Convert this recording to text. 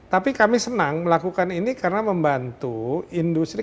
tapi kami senang melakukan ini karena membantu industri